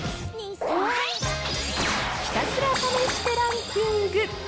ひたすら試してランキング。